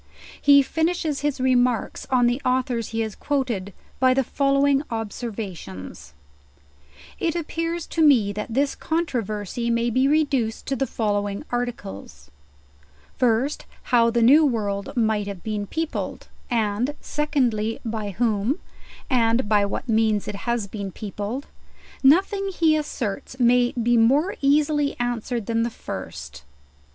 He finishes bis remarks on the authors he has quoted, by the following observations: It appears to me that this controversy maybe reduced to the following articles; first how the new world might have been peopled; and, secondly, by whom, and by what means it has been peopled. Nothing he asserts, may be more easily answered than the first.